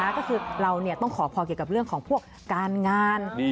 ก็คือเราต้องขอพรเกี่ยวกับเรื่องของพวกการงาน